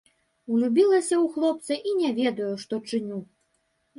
Улюбілася ў хлапца і не ведаю, што чыню.